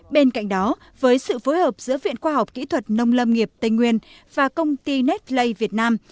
bên cạnh đó với sự phối hợp giữa viện khoa học kỹ thuật nông lâm nghiệp tây nguyên và công ty net play việt nam